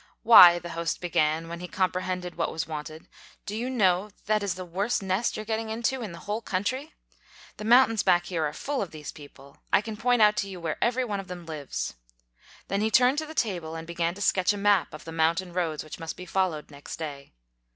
"Why," the host began, when he comprehended what was wanted, "do you know that is the worst nest you're getting into, in the whole country ? The moun tains back here are full of these people ; I can point out to you where every one of them lives." Then he turned to the table and began to sketch a map of the mountain roads which must be followed next day.